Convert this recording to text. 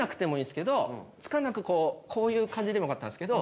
つかなくこうこういう感じでもよかったんですけど。